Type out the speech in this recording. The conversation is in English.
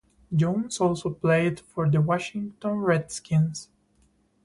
Jones also played for the Washington Redskins.